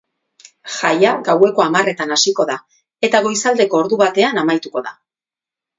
Jaia gaueko hamarretan hasiko da eta goizaldeko ordubatean amaituko da.